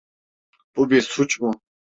Bu bir suç mu?